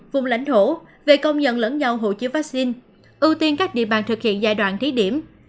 vùng lãnh thổ về công nhận lẫn nhau hộ chiếu vaccine ưu tiên các địa bàn thực hiện giai đoạn thí điểm